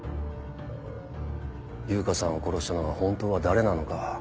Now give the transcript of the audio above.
悠香さんを殺したのが本当は誰なのか